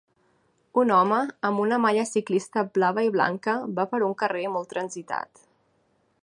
Un home amb una malla ciclista blava i blanca va per un carrer molt transitat.